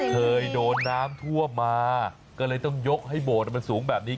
เคยโดนน้ำท่วมมาก็เลยต้องยกให้โบสถมันสูงแบบนี้